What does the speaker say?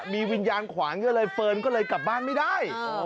มีวิญญาณขวางเยอะเลยเฟิร์นก็เลยกลับบ้านไม่ได้